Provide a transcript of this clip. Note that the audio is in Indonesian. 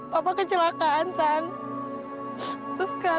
papa kecelakaan san